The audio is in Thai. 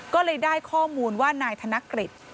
ก็เลยได้ข้อมูลว่านายธนกฤษ